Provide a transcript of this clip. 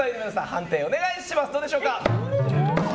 判定お願いします。